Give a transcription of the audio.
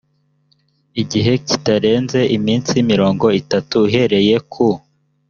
gihe kitarenze iminsi mirongo itatu uhereye ku